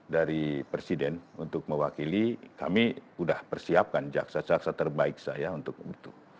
dari presiden untuk mewakili kami sudah persiapkan jaksa jaksa terbaik saya untuk itu